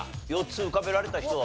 ４つ浮かべられた人？